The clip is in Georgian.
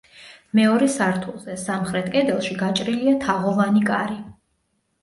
მეორე სართულზე, სამხრეთ კედელში გაჭრილია თაღოვანი კარი.